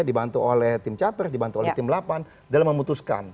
dibantu oleh tim capres dibantu oleh tim delapan dalam memutuskan